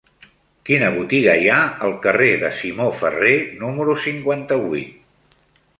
Quina botiga hi ha al carrer de Simó Ferrer número cinquanta-vuit?